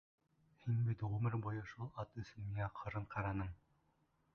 Һин бит ғүмер буйы шул ат өсөн миңә ҡырын ҡараның.